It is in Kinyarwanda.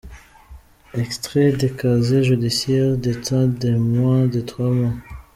extrait de casier judiciaire datant de moins de trois mois .